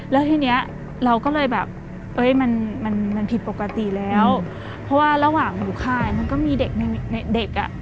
แล้วทีนี้เราก็เลยแบบมันผิดปกติแล้วเพราะว่าระหว่างอยู่ค่ายมันก็มีเด็ก